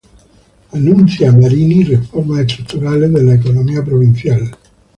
Anuncia Marini, reformas estructurales de la economía provincial.